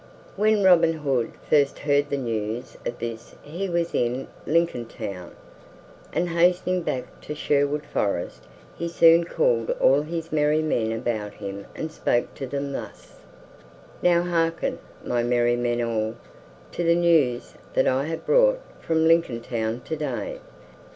When Robin Hood first heard the news of this he was in Lincoln Town, and hastening back to Sherwood Forest he soon called all his merry men about him and spoke to them thus: "Now hearken, my merry men all, to the news that I have brought from Lincoln Town today.